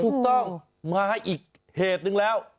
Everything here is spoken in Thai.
ถูกต้องมาอีกเหตุหนึ่งแล้ว